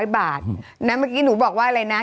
๓๕๐๐บาทนั้นเมื่อกี้หนูบอกว่าอะไรนะ